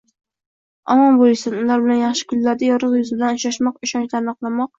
Omon bo‘lishsin. Ular bilan yaxshi kunlarda yorug‘ yuz ila uchrashmoq, ishonchlarini oqlamoq